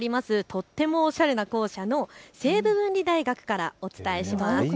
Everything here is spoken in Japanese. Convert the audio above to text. とてもおしゃれな校舎の西武文理大学からお伝えします。